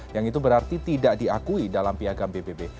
yang itu berarti tidak diakui dalam piagam pbb